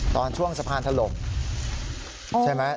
ตอนช่วงสะพานถล่มใช่ไหม